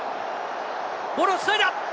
ボールを繋いだ！